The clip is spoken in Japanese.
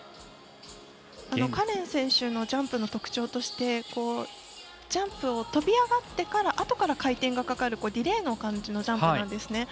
カレン選手のジャンプの特徴としてジャンプを跳び上がってからあとから回転がかかるディレイの感じのジャンプなんです。